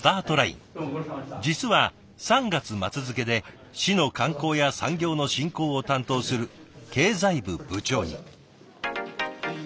実は３月末付けで市の観光や産業の振興を担当する経済部部長に。